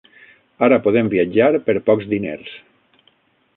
Ara podem viatjar per pocs diners.